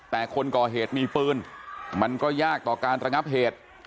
แต่คนก่อเหตุมีปืนมันก็ยากต่อการระงับเหตุ